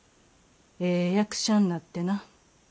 ええ役者になってな。